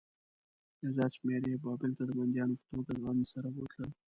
یو زیات شمېر یې بابل ته د بندیانو په توګه ځان سره بوتلل.